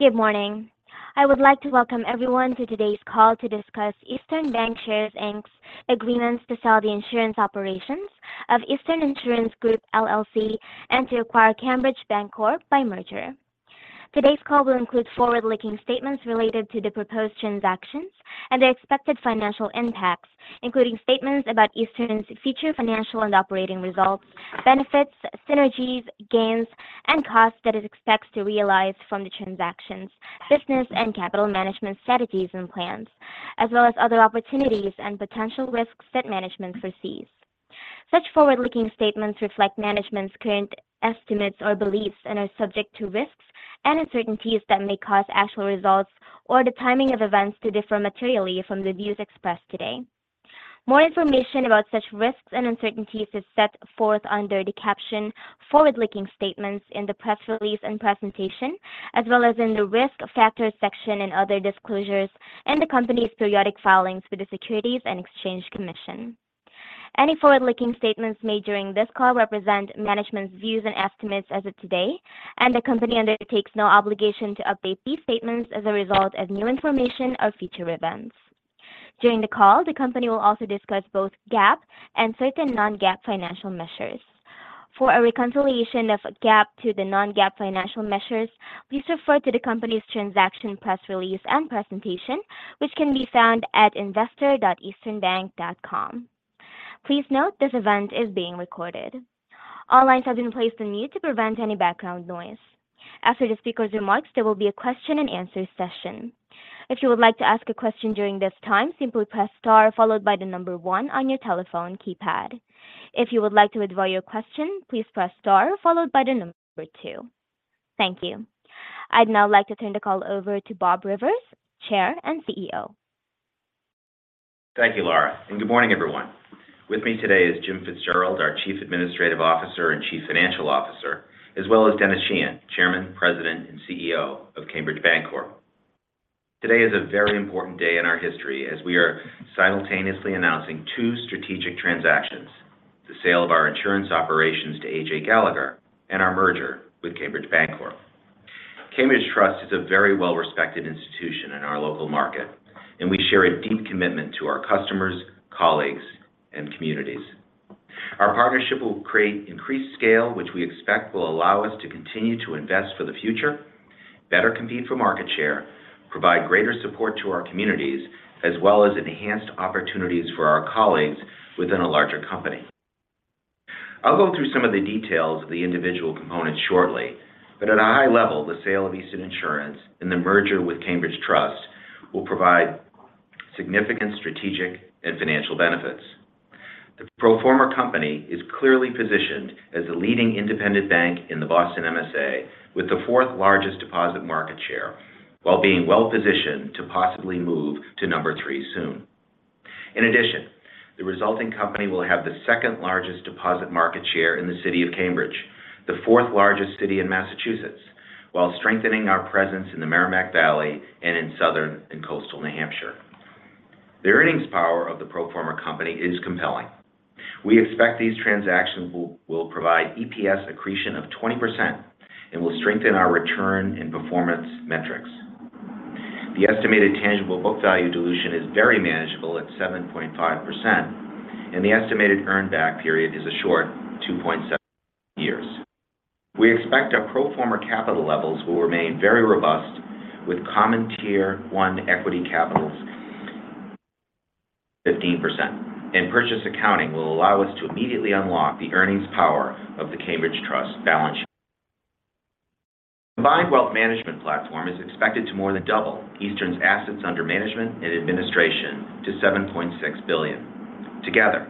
Good morning. I would like to welcome everyone to today's call to discuss Eastern Bankshares, Inc.'s agreements to sell the insurance operations of Eastern Insurance Group LLC, and to acquire Cambridge Bancorp by merger. Today's call will include forward-looking statements related to the proposed transactions and the expected financial impacts, including statements about Eastern's future financial and operating results, benefits, synergies, gains, and costs that it expects to realize from the transactions, business and capital management strategies and plans, as well as other opportunities and potential risks that management foresees. Such forward-looking statements reflect management's current estimates or beliefs and are subject to risks and uncertainties that may cause actual results or the timing of events to differ materially from the views expressed today. More information about such risks and uncertainties is set forth under the caption "Forward-Looking Statements" in the press release and presentation, as well as in the Risk Factors section and other disclosures in the company's periodic filings with the Securities and Exchange Commission. Any forward-looking statements made during this call represent management's views and estimates as of today, and the company undertakes no obligation to update these statements as a result of new information or future events. During the call, the company will also discuss both GAAP and certain Non-GAAP financial measures. For a reconciliation of GAAP to the Non-GAAP financial measures, please refer to the company's transaction press release and presentation, which can be found at investor.easternbank.com. Please note, this event is being recorded. All lines have been placed on mute to prevent any background noise. After the speaker's remarks, there will be a question-and-answer session. If you would like to ask a question during this time, simply press star followed by the number one on your telephone keypad. If you would like to withdraw your question, please press star followed by the number two. Thank you. I'd now like to turn the call over to Bob Rivers, Chair and CEO. Thank you, Laura, and good morning, everyone. With me today is Jim Fitzgerald, our Chief Administrative Officer and Chief Financial Officer, as well as Denis Sheahan, Chairman, President, and CEO of Cambridge Bancorp. Today is a very important day in our history as we are simultaneously announcing two strategic transactions: the sale of our insurance operations to A.J. Gallagher and our merger with Cambridge Bancorp. Cambridge Trust is a very well-respected institution in our local market, and we share a deep commitment to our customers, colleagues, and communities. Our partnership will create increased scale, which we expect will allow us to continue to invest for the future, better compete for market share, provide greater support to our communities, as well as enhanced opportunities for our colleagues within a larger company. I'll go through some of the details of the individual components shortly, but at a high level, the sale of Eastern Insurance and the merger with Cambridge Trust will provide significant strategic and financial benefits. The pro forma company is clearly positioned as the leading independent bank in the Boston MSA, with the fourth largest deposit market share, while being well-positioned to possibly move to number three soon. In addition, the resulting company will have the second largest deposit market share in the city of Cambridge, the fourth largest city in Massachusetts, while strengthening our presence in the Merrimack Valley and in southern and coastal New Hampshire. The earnings power of the pro forma company is compelling. We expect these transactions to provide EPS accretion of 20% and to strengthen our return and performance metrics. The estimated tangible book value dilution is very manageable at 7.5%, and the estimated earn-back period is a short two point seven years. We expect our pro forma capital levels to remain very robust, with Common Equity Tier 1 capital 15%, and purchase accounting will allow us to immediately unlock the earnings power of the Cambridge Trust balance sheet. The combined wealth management platform is expected to more than double Eastern's assets under management and administration to $7.6 billion. Together,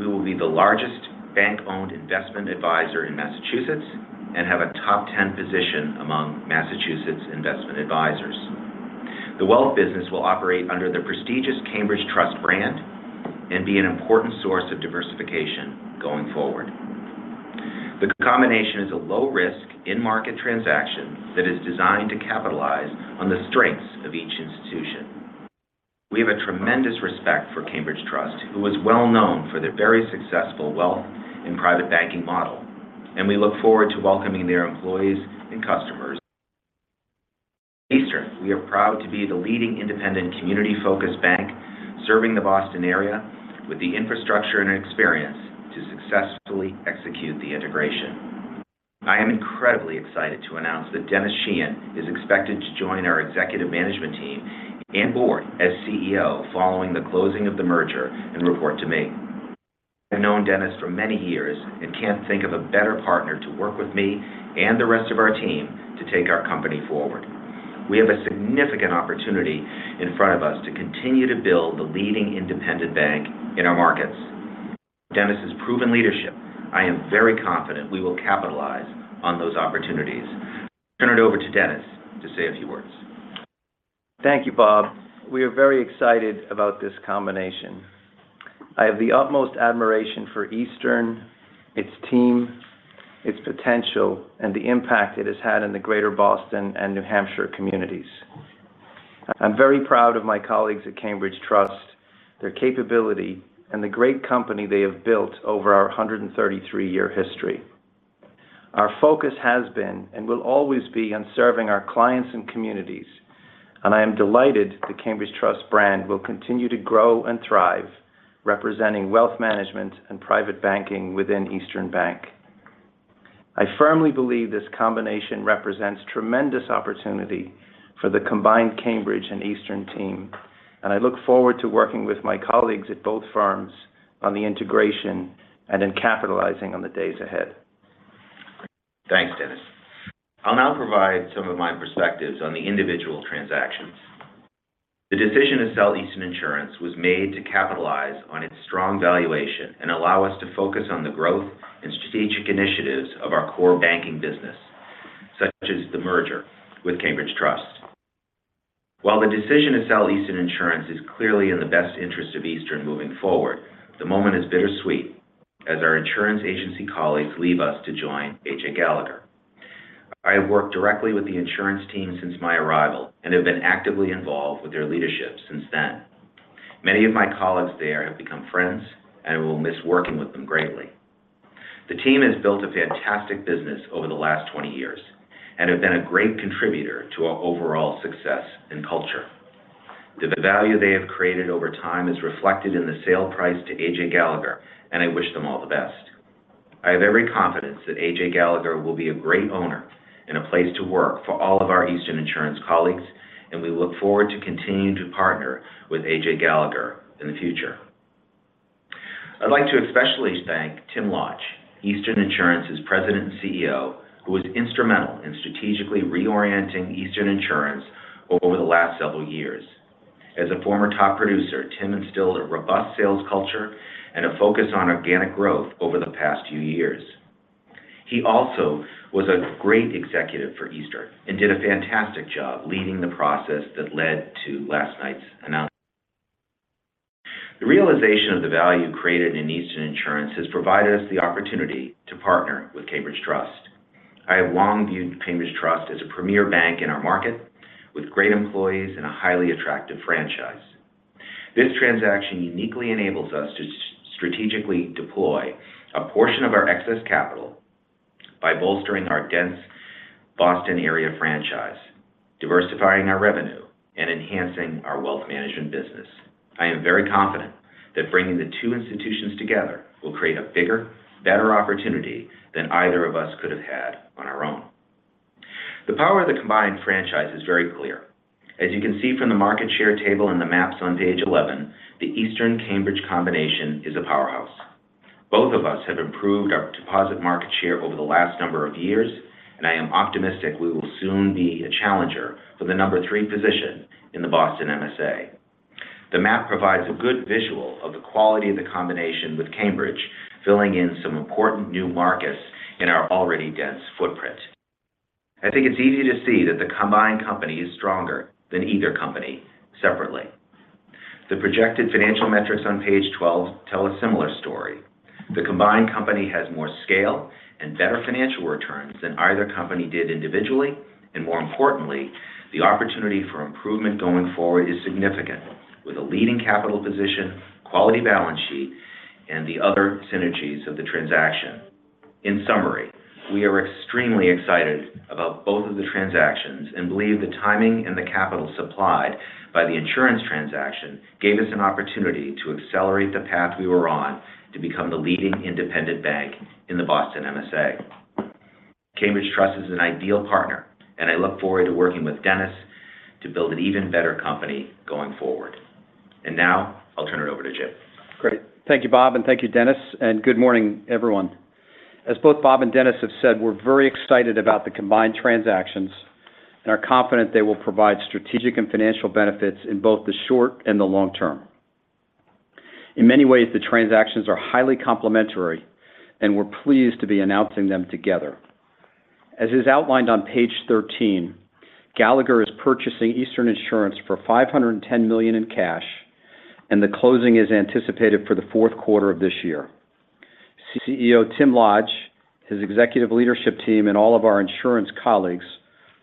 we will be the largest bank-owned investment advisor in Massachusetts and have a top ten position among Massachusetts investment advisors. The wealth business will operate under the prestigious Cambridge Trust brand and be an important source of diversification going forward. The combination is a low-risk, in-market transaction that is designed to capitalize on the strengths of each institution. We have a tremendous respect for Cambridge Trust, who is well known for their very successful wealth and private banking model, and we look forward to welcoming their employees and customers. Eastern, we are proud to be the leading independent, community-focused bank serving the Boston area with the infrastructure and experience to successfully execute the integration. I am incredibly excited to announce that Denis Sheahan is expected to join our executive management team and board as CEO, following the closing of the merger and report to me. I've known Denis for many years and can't think of a better partner to work with me and the rest of our team to take our company forward. We have a significant opportunity in front of us to continue to build the leading independent bank in our markets. Denis's proven leadership. I am very confident we will capitalize on those opportunities. Turn it over to Denis to say a few words. Thank you, Bob. We are very excited about this combination. I have the utmost admiration for Eastern, its team, its potential, and the impact it has had in the greater Boston and New Hampshire communities. I'm very proud of my colleagues at Cambridge Trust, their capability, and the great company they have built over our 133-year history. Our focus has been, and will always be, on serving our clients and communities, and I am delighted the Cambridge Trust brand will continue to grow and thrive, representing wealth management and private banking within Eastern Bank. I firmly believe this combination represents a tremendous opportunity for the combined Cambridge and Eastern team, and I look forward to working with my colleagues at both firms on the integration and in capitalizing on the days ahead. Thanks, Denis. I'll now provide some of my perspectives on the individual transactions. The decision to sell Eastern Insurance was made to capitalize on its strong valuation and allow us to focus on the growth and strategic initiatives of our core banking business, such as the merger with Cambridge Trust. While the decision to sell Eastern Insurance is clearly in the best interest of Eastern moving forward, the moment is bittersweet as our insurance agency colleagues leave us to join A.J. Gallagher. I have worked directly with the insurance team since my arrival and have been actively involved with their leadership since then. Many of my colleagues there have become friends, and I will miss working with them greatly. The team has built a fantastic business over the last 20 years and have been a great contributor to our overall success and culture. The value they have created over time is reflected in the sale price to A.J. Gallagher, and I wish them all the best. I have every confidence that A.J. Gallagher will be a great owner and a place to work for all of our Eastern Insurance colleagues, and we look forward to continuing to partner with A.J. Gallagher in the future. I'd like to especially thank Tim Lodge, Eastern Insurance's President and CEO, who was instrumental in strategically reorienting Eastern Insurance over the last several years. As a former top producer, Tim instilled a robust sales culture and a focus on organic growth over the past few years. He also was a great executive for Eastern and did a fantastic job leading the process that led to last night's announcement. The realization of the value created in Eastern Insurance has provided us the opportunity to partner with Cambridge Trust. I have long viewed Cambridge Trust as a premier bank in our market, with great employees and a highly attractive franchise. This transaction uniquely enables us to strategically deploy a portion of our excess capital by bolstering our dense Boston area franchise, diversifying our revenue, and enhancing our wealth management business. I am very confident that bringing the two institutions together will create a bigger, better opportunity than either of us could have had on our own. The power of the combined franchise is very clear. As you can see from the market share table and the maps on page 11, the Eastern-Cambridge combination is a powerhouse. Both of us have improved our deposit market share over the last number of years, and I am optimistic we will soon be a challenger for the number three position in the Boston MSA. The map provides a good visual of the quality of the combination, with Cambridge filling in some important new markets in our already dense footprint. I think it's easy to see that the combined company is stronger than either company separately. The projected financial metrics on page 12 tell a similar story. The combined company has more scale and better financial returns than either company did individually, and more importantly, the opportunity for improvement going forward is significant, with a leading capital position, quality balance sheet, and the other synergies of the transaction. In summary, we are extremely excited about both of the transactions and believe the timing and the capital supplied by the insurance transaction gave us an opportunity to accelerate the path we were on to become the leading independent bank in the Boston MSA. Cambridge Trust is an ideal partner, and I look forward to working with Denis to build an even better company going forward. And now I'll turn it over to Jim. Great. Thank you, Bob, and thank you, Denis, and good morning, everyone. As both Bob and Denis have said, we're very excited about the combined transactions and are confident they will provide strategic and financial benefits in both the short and the long term. In many ways, the transactions are highly complementary, and we're pleased to be announcing them together. As is outlined on page 13, Gallagher is purchasing Eastern Insurance for $510 million in cash, and the closing is anticipated for the fourth quarter of this year. CEO Tim Lodge, his executive leadership team, and all of our insurance colleagues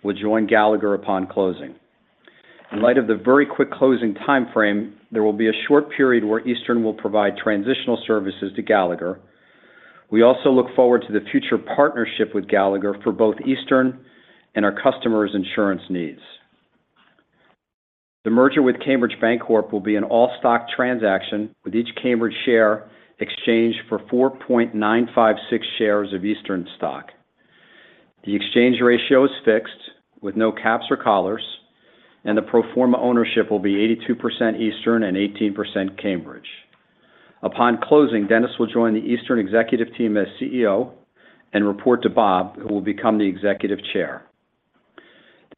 will join Gallagher upon closing. In light of the very quick closing timeframe, there will be a short period where Eastern will provide transitional services to Gallagher. We also look forward to the future partnership with Gallagher for both Eastern and our customers' insurance needs. The merger with Cambridge Bancorp will be an all-stock transaction, with each Cambridge share exchanged for 4.956 shares of Eastern stock. The exchange ratio is fixed, with no caps or collars, and the pro forma ownership will be 82% Eastern and 18% Cambridge. Upon closing, Denis will join the Eastern executive team as CEO and report to Bob, who will become the Executive Chair.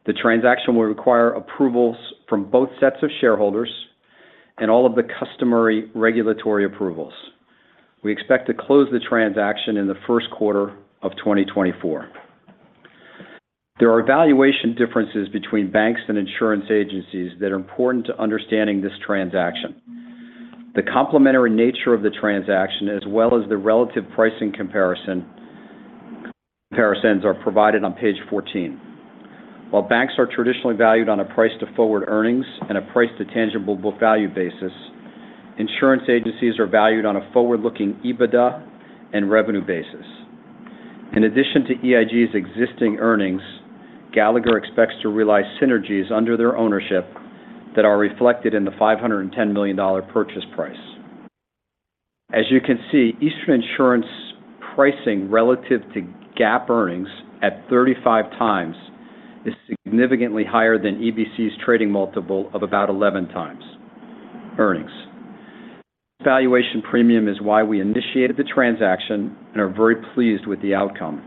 The transaction will require approvals from both sets of shareholders and all of the customary regulatory approvals. We expect to close the transaction in the first quarter of 2024. There are valuation differences between banks and insurance agencies that are important to understanding this transaction. The complementary nature of the transaction, as well as the relative pricing comparisons are provided on page 14. While banks are traditionally valued on a price to forward earnings and a price to tangible book value basis, insurance agencies are valued on a forward-looking EBITDA and revenue basis. In addition to EIG's existing earnings, Gallagher expects to realize synergies under their ownership that are reflected in the $510 million purchase price. As you can see, Eastern Insurance's pricing relative to GAAP earnings at 35x is significantly higher than EBC's trading multiple of about 11x earnings. Valuation premium is why we initiated the transaction and are very pleased with the outcome.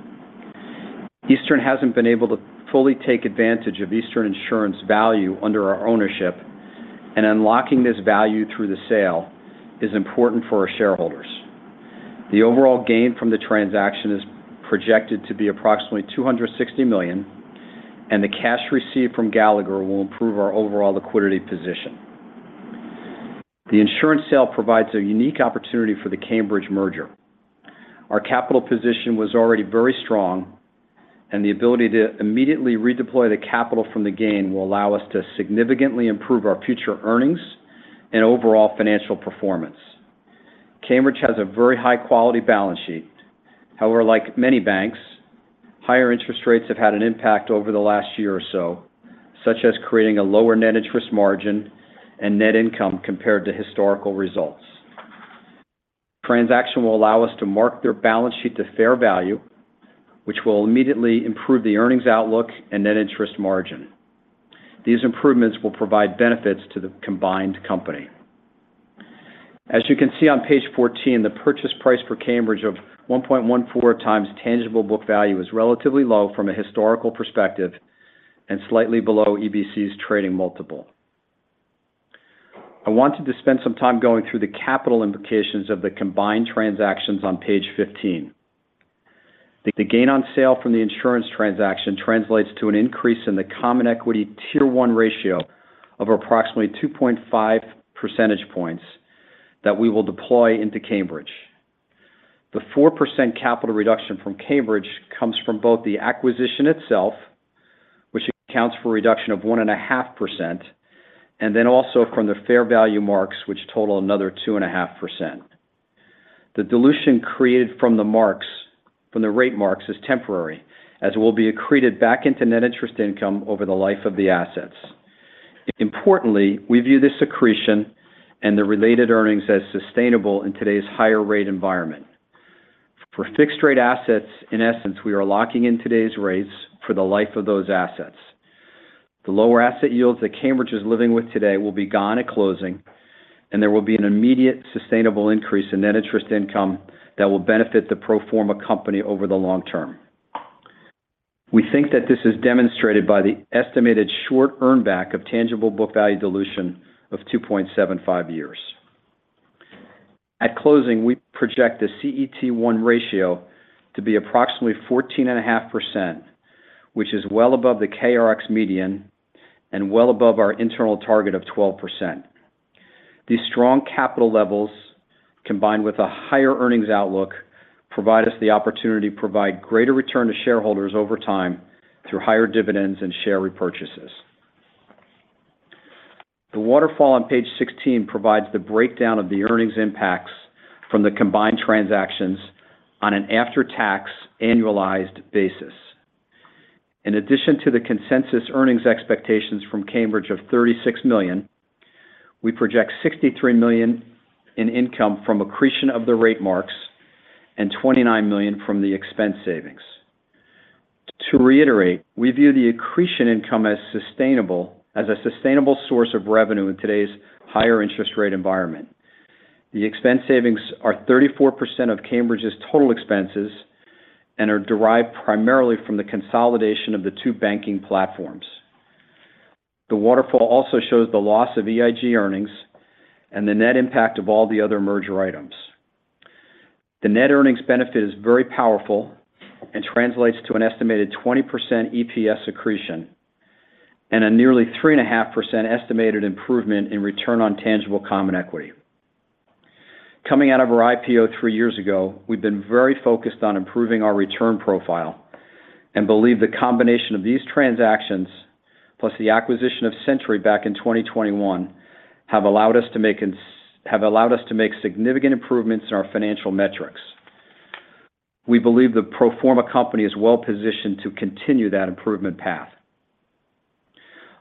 Eastern hasn't been able to fully take advantage of Eastern Insurance value under our ownership, and unlocking this value through the sale is important for our shareholders. The overall gain from the transaction is projected to be approximately $260 million, and the cash received from Gallagher will improve our overall liquidity position. The insurance sale provides a unique opportunity for the Cambridge merger. Our capital position was already very strong, and the ability to immediately redeploy the capital from the gain will allow us to significantly improve our future earnings and overall financial performance. Cambridge has a very high-quality balance sheet. However, like many banks, higher interest rates have had an impact over the last year or so, such as creating a lower net interest margin and net income compared to historical results. The transaction will allow us to mark their balance sheet to fair value, which will immediately improve the earnings outlook and net interest margin. These improvements will provide benefits to the combined company. As you can see on page 14, the purchase price for Cambridge of 1.14x tangible book value is relatively low from a historical perspective and slightly below EBC's trading multiple. I wanted to spend some time going through the capital implications of the combined transactions on page 15. The gain on sale from the insurance transaction translates to an increase in the Common Equity Tier 1 ratio of approximately 2.5% points that we will deploy into Cambridge. The 4% capital reduction from Cambridge comes from both the acquisition itself, which accounts for a reduction of 1.5%, and then also from the fair value marks, which total another 2.5%. The dilution created from the rate marks is temporary, as it will be accreted back into net interest income over the life of the assets. Importantly, we view this accretion and the related earnings as sustainable in today's higher rate environment. For fixed-rate assets, in essence, we are locking in today's rates for the life of those assets. The lower asset yields that Cambridge is living with today will be gone at closing, and there will be an immediate, sustainable increase in net interest income that will benefit the pro forma company over the long term. We think that this is demonstrated by the estimated short earn back of tangible book value dilution of two point seventy-five years. At closing, we project the CET1 ratio to be approximately 14.5%, which is well above the KRX median and well above our internal target of 12%. These strong capital levels, combined with a higher earnings outlook, provide us the opportunity to provide greater return to shareholders over time through higher dividends and share repurchases. The waterfall on page 16 provides the breakdown of the earnings impacts from the combined transactions on an after-tax, annualized basis. In addition to the consensus earnings expectations from Cambridge of $36 million, we project $63 million in income from accretion of the rate marks and $29 million from the expense savings. To reiterate, we view the accretion income as a sustainable source of revenue in today's higher interest rate environment. The expense savings are 34% of Cambridge's total expenses and are derived primarily from the consolidation of the two banking platforms. The waterfall also shows the loss of EIG earnings and the net impact of all the other merger items. The net earnings benefit is very powerful and translates to an estimated 20% EPS accretion and a nearly 3.5% estimated improvement in return on tangible common equity. Coming out of our IPO three years ago, we've been very focused on improving our return profile and believe the combination of these transactions, plus the acquisition of Century back in 2021, have allowed us to make ins- have allowed us to make significant improvements in our financial metrics. We believe the pro forma company is well positioned to continue that improvement path.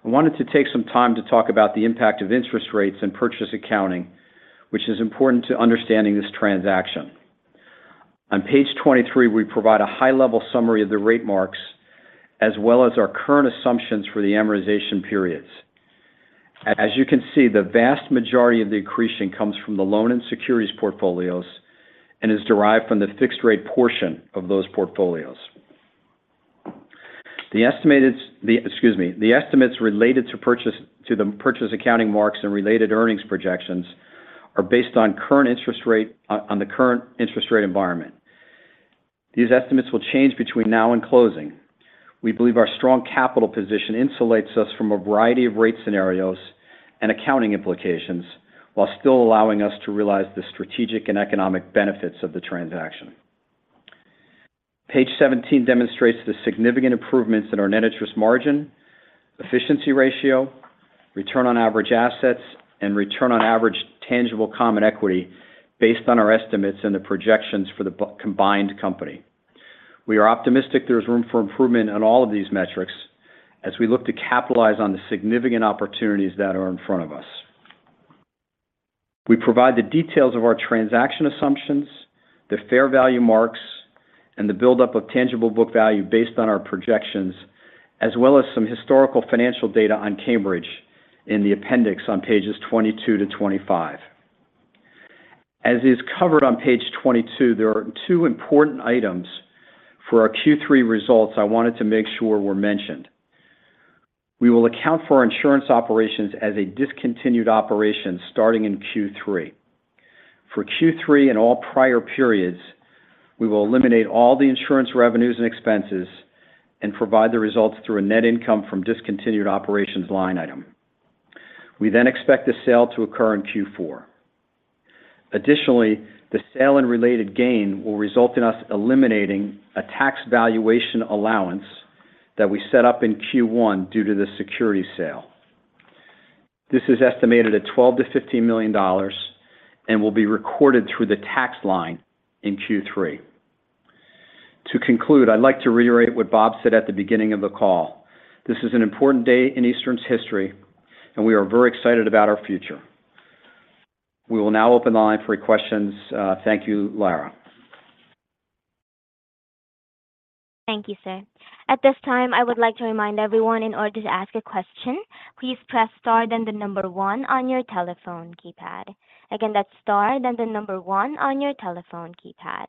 I wanted to take some time to talk about the impact of interest rates and purchase accounting, which is important to understanding this transaction. On page 23, we provide a high-level summary of the rate marks, as well as our current assumptions for the amortization periods. As you can see, the vast majority of the accretion comes from the loan and securities portfolios and is derived from the fixed rate portion of those portfolios. The estimated, the... Excuse me. The estimates related to purchase, to the purchase accounting marks and related earnings projections are based on the current interest rate environment. These estimates will change between now and closing. We believe our strong capital position insulates us from a variety of rate scenarios and accounting implications, while still allowing us to realize the strategic and economic benefits of the transaction. Page 17 demonstrates the significant improvements in our Net Interest Margin, Efficiency Ratio, Return on Average Assets, and Return on Average Tangible Common Equity based on our estimates and the projections for the combined company. We are optimistic there is room for improvement on all of these metrics as we look to capitalize on the significant opportunities that are in front of us. We provide the details of our transaction assumptions, the fair value marks, and the buildup of Tangible Book Value based on our projections, as well as some historical financial data on Cambridge in the appendix on pages 22 to 25. As is covered on page 22, there are two important items for our Q3 results I wanted to make sure were mentioned. We will account for our insurance operations as a discontinued operation starting in Q3. For Q3 and all prior periods, we will eliminate all the insurance revenues and expenses and provide the results through a net income from discontinued operations line item. We then expect the sale to occur in Q4. Additionally, the sale and related gain will result in us eliminating a tax valuation allowance that we set up in Q1 due to the security sale. This is estimated at $12 million-$15 million and will be recorded through the tax line in Q3. To conclude, I'd like to reiterate what Bob said at the beginning of the call: This is an important day in Eastern's history, and we are very excited about our future. We will now open the line for questions. Thank you, Laura. Thank you, sir. At this time, I would like to remind everyone, in order to ask a question, please press star, then the number one on your telephone keypad. Again, that's star, then the number one on your telephone keypad.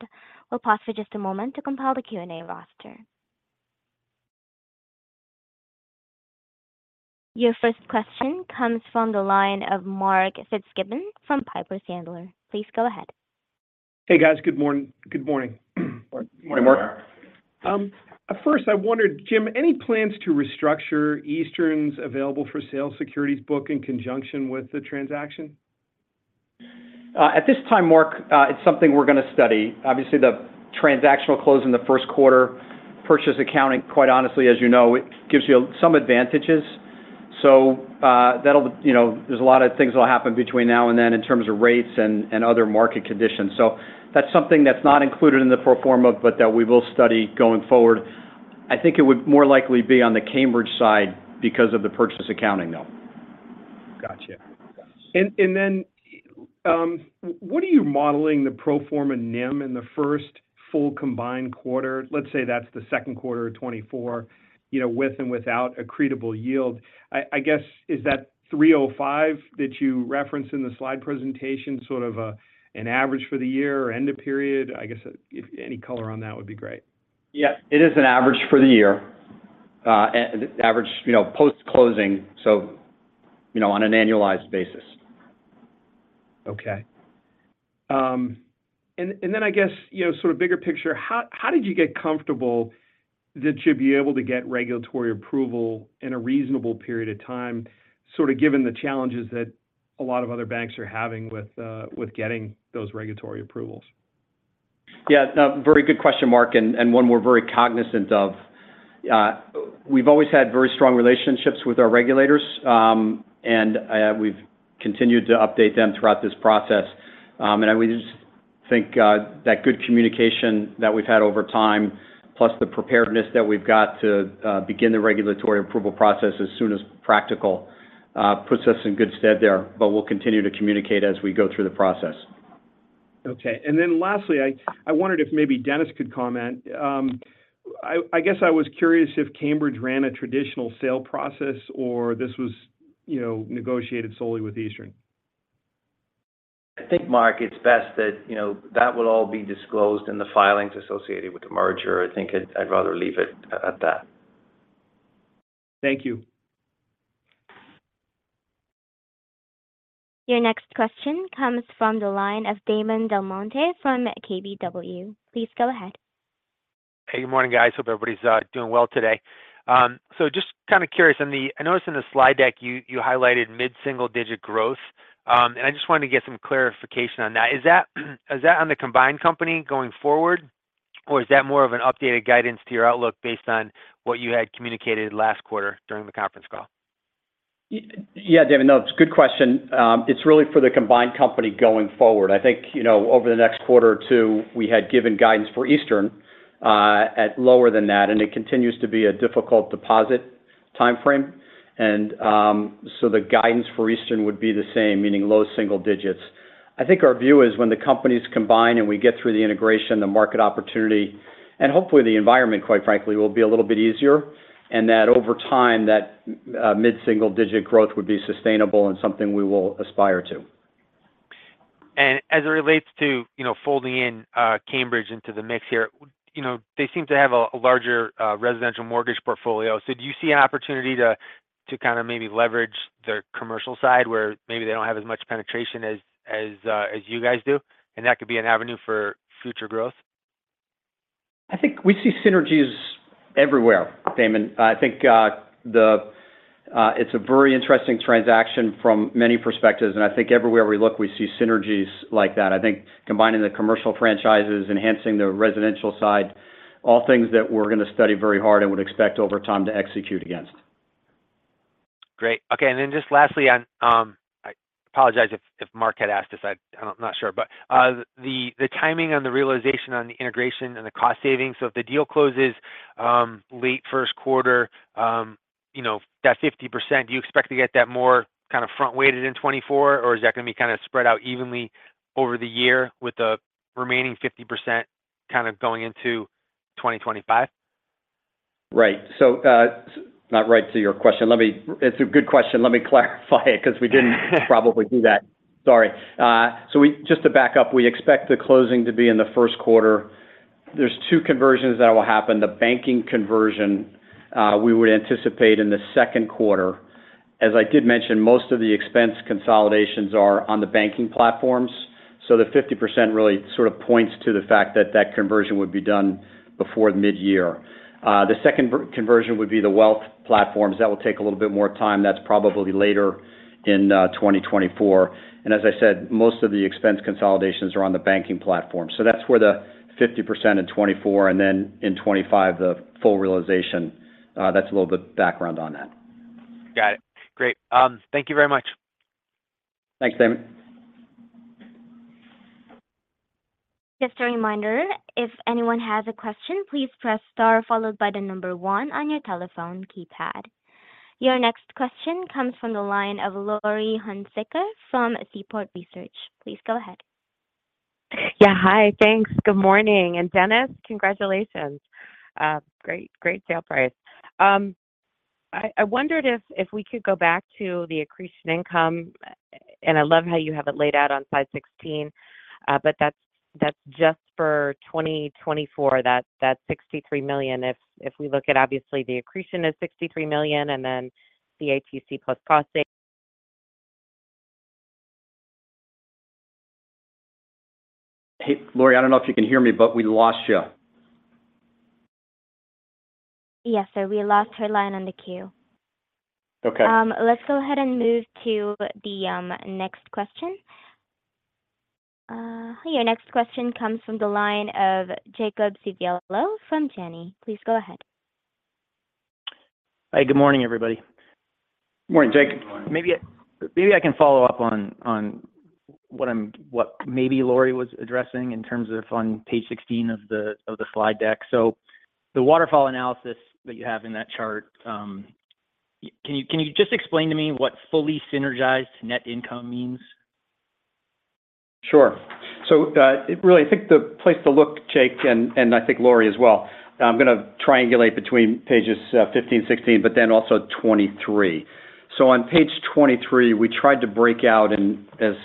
We'll pause for just a moment to compile the Q&A roster. Your first question comes from the line of Mark Fitzgibbon from Piper Sandler. Please go ahead. Hey, guys. Good morning. Good morning. Good morning, Mark. First, I wondered, Jim, any plans to restructure Eastern's available-for-sale securities book in conjunction with the transaction? At this time, Mark, it's something we're going to study. Obviously, the transactional close in the first quarter, Purchase Accounting, quite honestly, as you know, it gives you some advantages. So, that'll, you know... There's a lot of things that will happen between now and then in terms of rates and, and other market conditions. So that's something that's not included in the pro forma, but that we will study going forward. I think it would more likely be on the Cambridge side because of the Purchase Accounting, though. Gotcha. And then, what are you modeling the pro forma NIM in the first full combined quarter? Let's say that's the second quarter of 2024, you know, with and without accretable yield. I guess, is that 3.05 that you referenced in the slide presentation sort of an average for the year or end of period? I guess, if any color on that would be great. Yeah, it is an average for the year. Average, you know, post-closing, so, you know, on an annualized basis. Okay. And then I guess, you know, sort of bigger picture, how did you get comfortable that you'd be able to get regulatory approval in a reasonable period of time, sort of given the challenges that a lot of other banks are having with getting those regulatory approvals? Yeah, no, very good question, Mark, and one we're very cognizant of. We've always had very strong relationships with our regulators, and we've continued to update them throughout this process. And I would just think that good communication that we've had over time, plus the preparedness that we've got to begin the regulatory approval process as soon as practical, puts us in good stead there. But we'll continue to communicate as we go through the process. Okay. And then lastly, I wondered if maybe Denis could comment. I guess I was curious if Cambridge ran a traditional sale process or this was, you know, negotiated solely with Eastern? I think, Mark, it's best that, you know, that will all be disclosed in the filings associated with the merger. I think I'd rather leave it at that. Thank you. Your next question comes from the line of Damon DelMonte from KBW. Please go ahead. Hey, good morning, guys. Hope everybody's doing well today. Just kind of curious. I noticed in the slide deck you highlighted mid-single-digit growth, and I just wanted to get some clarification on that. Is that on the combined company going forward, or is that more of an updated guidance to your outlook based on what you had communicated last quarter during the conference call? Yeah, Damon. No, it's a good question. It's really for the combined company going forward. I think, you know, over the next quarter or two, we had given guidance for Eastern at lower than that, and it continues to be a difficult deposit timeframe. So the guidance for Eastern would be the same, meaning low single digits. I think our view is when the companies combine and we get through the integration, the market opportunity, and hopefully the environment, quite frankly, will be a little bit easier, and that over time, that mid-single-digit growth would be sustainable and something we will aspire to. And as it relates to, you know, folding in Cambridge into the mix here, you know, they seem to have a larger residential mortgage portfolio. So do you see an opportunity to kind of maybe leverage their commercial side, where maybe they don't have as much penetration as you guys do, and that could be an avenue for future growth? I think we see synergies everywhere, Damon. I think it's a very interesting transaction from many perspectives, and I think everywhere we look, we see synergies like that. I think combining the commercial franchises, enhancing the residential side, all things that we're going to study very hard and would expect over time to execute against. Great. Okay, and then just lastly on, I apologize if Mark had asked this, I'm not sure. But, the timing on the realization on the integration and the cost savings. So if the deal closes late first quarter, you know, that 50%, do you expect to get that more kind of front-weighted in 2024? Or is that going to be kind of spread out evenly over the year with the remaining 50% kind of going into 2025? Right. So, not right to your question. It's a good question. Let me clarify because we didn't probably do that. Sorry. So we just to back up, we expect the closing to be in the first quarter. There are two conversions that will happen. The banking conversion, we would anticipate in the second quarter. As I did mention, most of the expense consolidations are on the banking platforms, so the 50% really sort of points to the fact that that conversion would be done before mid-year. The second conversion would be the wealth platforms. That will take a little bit more time. That's probably later in 2024. And as I said, most of the expense consolidations are on the banking platform. So that's where the 50% in 2024, and then in 2025, the full realization. That's a little bit of background on that. Got it. Great. Thank you very much. Thanks, Damon. Just a reminder, if anyone has a question, please press star followed by the number one on your telephone keypad. Your next question comes from the line of Laurie Hunsicker from Seaport Research. Please go ahead. Yeah, hi. Thanks. Good morning. Denis, congratulations. Great, great sale price. I wondered if we could go back to the accretion income, and I love how you have it laid out on slide 16, but that's just for 2024. That $63 million. If we look at obviously the accretion is $63 million, and then the ATC plus costing- Hey, Laurie, I don't know if you can hear me, but we lost you. Yes, sir, we lost her line on the queue. Okay. Let's go ahead and move to the next question. Your next question comes from the line of Jake Civiello from Janney. Please go ahead. Hi, good morning, everybody. Morning, Jake. Maybe, maybe I can follow up on what maybe Laurie was addressing in terms of on page 16 of the slide deck. So the waterfall analysis that you have in that chart, can you just explain to me what fully synergized net income means? Sure. So, really, I think the place to look, Jake, and I think Laurie as well, I'm going to triangulate between pages 15, 16, but then also 23. So on page 23, we tried to break out in as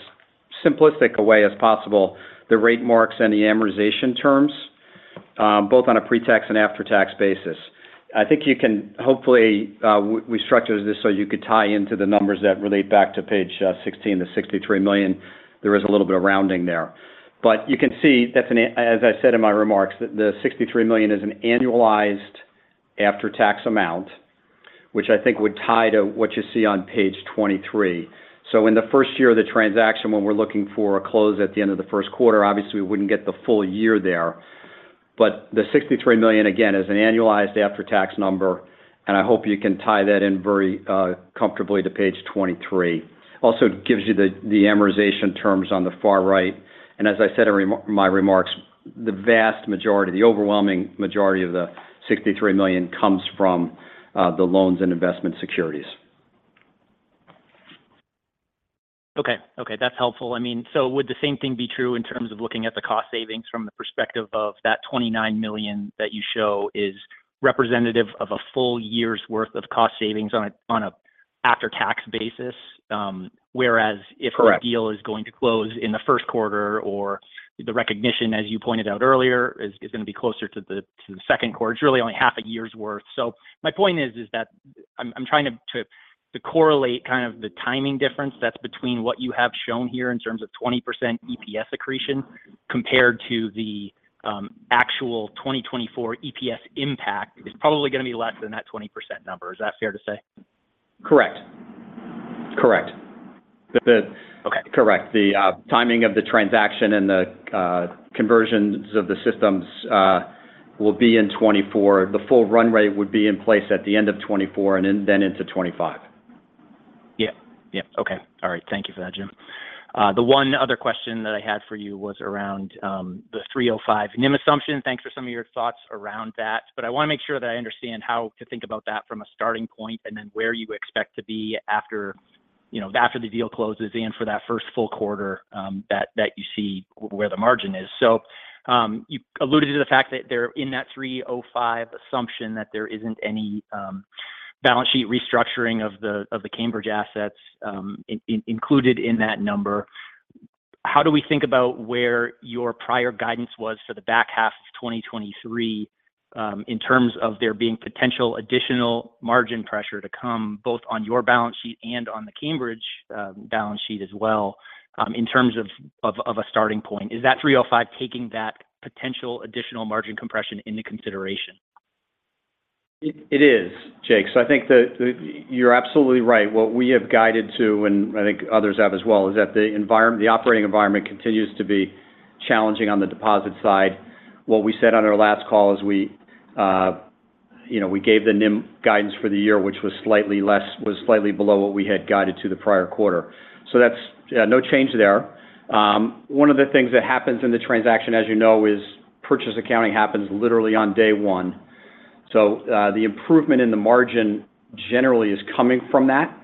simplistic a way as possible, the rate marks and the amortization terms, both on a pre-tax and after-tax basis. I think you can hopefully, we structured this so you could tie into the numbers that relate back to page 16, the $63 million. There is a little bit of rounding there. But you can see that's as I said in my remarks, the $63 million is an annualized after-tax amount, which I think would tie to what you see on page 23. So in the first year of the transaction, when we're looking for a close at the end of the first quarter, obviously, we wouldn't get the full year there. But the $63 million, again, is an annualized after-tax number, and I hope you can tie that in very, comfortably to page 23. Also, it gives you the amortization terms on the far right. And as I said in my remarks, the vast majority, the overwhelming majority of the $63 million comes from the loans and investment securities. Okay. Okay, that's helpful. I mean, so would the same thing be true in terms of looking at the cost savings from the perspective of that $29 million that you show is representative of a full year's worth of cost savings on a after-tax basis? Whereas- Correct. If a deal is going to close in the first quarter, or the recognition, as you pointed out earlier, is going to be closer to the second quarter, it's really only half a year's worth. So my point is that I'm trying to correlate kind of the timing difference that's between what you have shown here in terms of 20% EPS accretion, compared to the actual 2024 EPS impact is probably going to be less than that 20% number. Is that fair to say? Correct. Correct. Okay. Correct. The timing of the transaction and the conversions of the systems will be in 2024. The full run rate would be in place at the end of 2024 and then, then into 2025. Yeah. Yeah. Okay. All right. Thank you for that, Jim. The one other question that I had for you was around the 3.05 NIM assumption. Thanks for some of your thoughts around that. But I want to make sure that I understand how to think about that from a starting point, and then where you expect to be after, you know, after the deal closes and for that first full quarter, that you see where the margin is. So, you alluded to the fact that they're in that 3.05 assumption, that there isn't any balance sheet restructuring of the Cambridge assets included in that number. How do we think about where your prior guidance was for the back half of 2023, in terms of there being potential additional margin pressure to come, both on your balance sheet and on the Cambridge balance sheet as well, in terms of a starting point? Is that 3.05 taking that potential additional margin compression into consideration? It is, Jake. So I think that you're absolutely right. What we have guided to, and I think others have as well, is that the environment, the operating environment continues to be challenging on the deposit side. What we said on our last call is we, you know, we gave the NIM guidance for the year, which was slightly below what we had guided to the prior quarter. So that's no change there. One of the things that happens in the transaction, as you know, is purchase accounting happens literally on day one. So, the improvement in the margin generally is coming from that,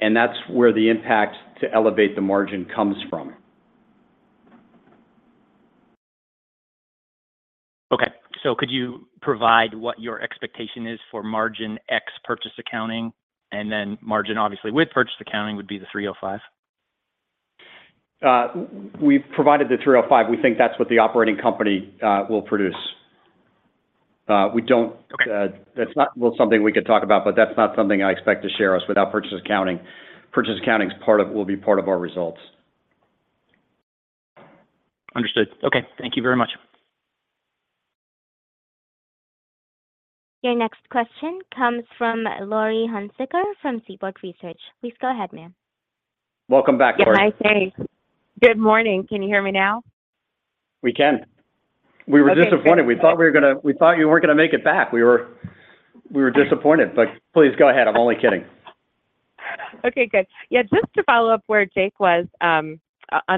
and that's where the impact to elevate the margin comes from. Okay. Could you provide what your expectation is for margin ex purchase accounting, and then margin, obviously, with purchase accounting would be the 3.05? We've provided the 3.05. We think that's what the operating company will produce. We don't- Okay. That's not well, something we could talk about, but that's not something I expect to share without purchase accounting. Purchase accounting is part of—will be part of our results. Understood. Okay, thank you very much. Your next question comes from Laurie Hunsicker from Seaport Research. Please go ahead, ma'am. Welcome back, Laurie. Good night. Hey, good morning. Can you hear me now? We can. Okay, great. We were disappointed. We thought you weren't gonna make it back. We were disappointed, but please go ahead. I'm only kidding. Okay, good. Yeah, just to follow up where Jake was on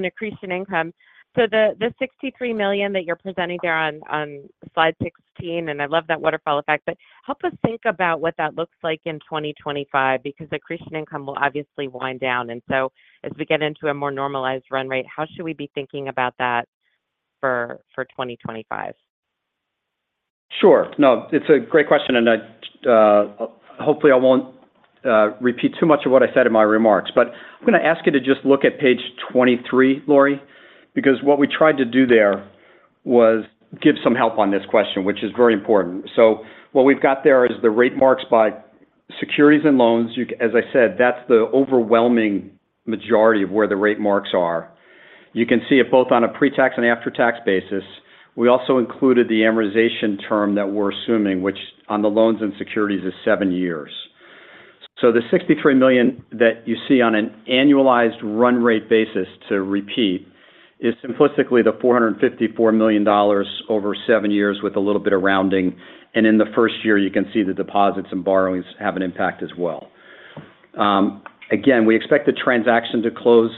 accretion income. So the $63 million that you're presenting there on slide 16, and I love that waterfall effect, but help us think about what that looks like in 2025, because accretion income will obviously wind down. And so as we get into a more normalized run rate, how should we be thinking about that for 2025? Sure. No, it's a great question, and I, hopefully, I won't repeat too much of what I said in my remarks. But I'm going to ask you to just look at page 23, Laurie, because what we tried to do there was give some help on this question, which is very important. So what we've got there is the rate marks by securities and loans. You, as I said, that's the overwhelming majority of where the rate marks are. You can see it both on a pre-tax and after-tax basis. We also included the amortization term that we're assuming, which on the loans and securities, is seven years. So the $63 million that you see on an annualized run rate basis, to repeat, is simplistically the $454 million over seven years with a little bit of rounding. In the first year, you can see the deposits and borrowings have an impact as well. Again, we expect the transaction to close.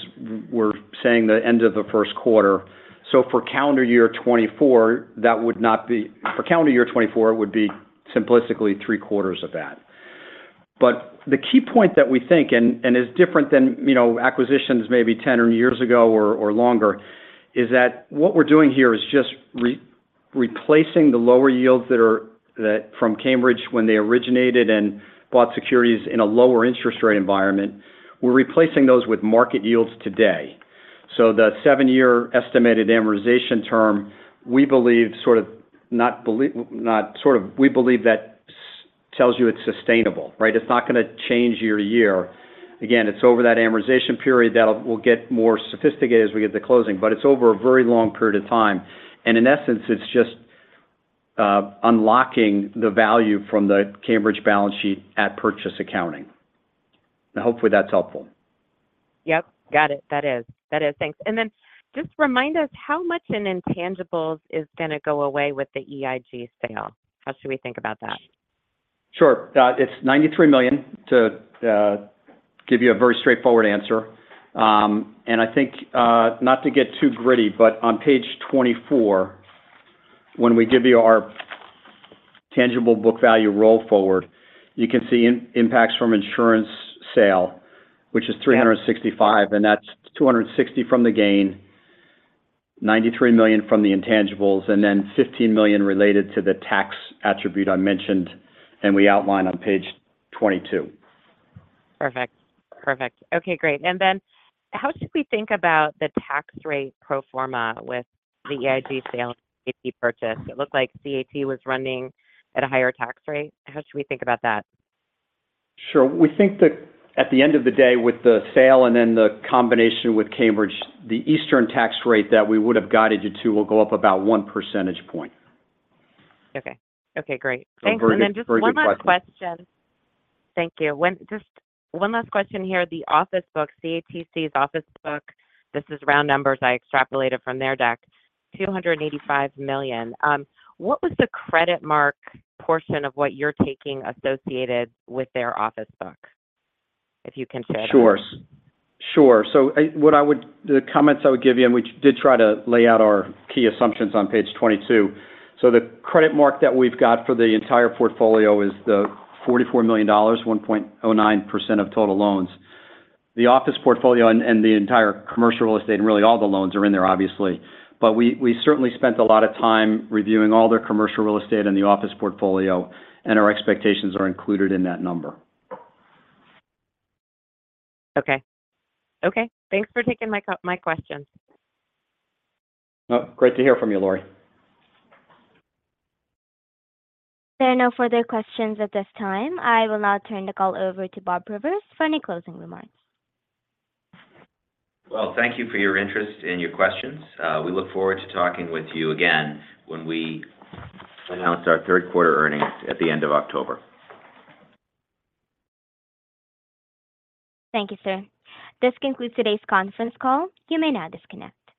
We're saying the end of the first quarter. So for calendar year 2024, it would be simplistically three quarters of that. But the key point that we think and is different than, you know, acquisitions maybe 10 years ago or longer, is that what we're doing here is just replacing the lower yields that are from Cambridge when they originated and bought securities in a lower interest rate environment. We're replacing those with market yields today. So the seven-year estimated amortization term, we believe that tells you it's sustainable, right? It's not gonna change year-to-year. Again, it's over that amortization period that will get more sophisticated as we get to closing, but it's over a very long period of time. And in essence, it's just unlocking the value from the Cambridge balance sheet at purchase accounting. Now, hopefully, that's helpful. Yep, got it. Thanks. And then just remind us how much in intangibles is going to go away with the EIG sale. How should we think about that? Sure. It's $93 million, to give you a very straightforward answer. I think, not to get too gritty, but on page 24, when we give you our tangible book value roll forward, you can see impacts from insurance sale, which is $365 million, and that's $260 million from the gain, $93 million from the intangibles, and then $15 million related to the tax attribute I mentioned, and we outline on page 22. Perfect. Perfect. Okay, great. And then how should we think about the tax rate pro forma with the EIG sale and purchase? It looked like CAT was running at a higher tax rate. How should we think about that? Sure. We think that at the end of the day, with the sale and then the combination with Cambridge, the Eastern tax rate that we would have guided you to will go up about one percentage point. Okay. Okay, great. Great question. Thanks. And then just one last question. Thank you. One—just one last question here. The office book, CATC's office book, this is round numbers I extrapolated from their deck, $285 million. What was the credit mark portion of what you're taking associated with their office book, if you can share? Sure. Sure. So, what I would—the comments I would give you, and we did try to lay out our key assumptions on page 22. So the credit mark that we've got for the entire portfolio is the $44 million, 1.09% of total loans. The office portfolio and, and the entire commercial real estate, and really, all the loans are in there, obviously. But we, we certainly spent a lot of time reviewing all their commercial real estate and the office portfolio, and our expectations are included in that number. Okay. Okay, thanks for taking my questions. Great to hear from you, Laurie. There are no further questions at this time. I will now turn the call over to Bob Rivers for any closing remarks. Well, thank you for your interest and your questions. We look forward to talking with you again when we announce our third quarter earnings at the end of October. Thank you, sir. This concludes today's conference call. You may now disconnect.